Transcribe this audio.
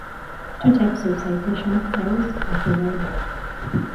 Two types of citation styles are provided.